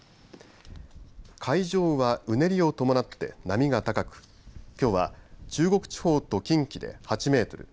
海上はうねりを伴って波が高くきょうは中国地方と近畿で８メートル